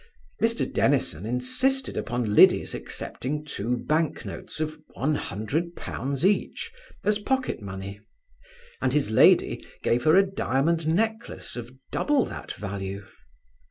Mr Dennison insisted upon Liddy's accepting two bank notes of one hundred pounds each, as pocket money; and his lady gave her a diamond necklace of double that value.